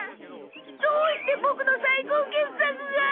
どうしてボクの最高傑作があ。